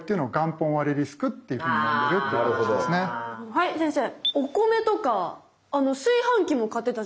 はい先生。